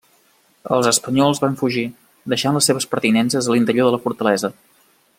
Els espanyols van fugir, deixant les seves pertinences a l'interior de la fortalesa.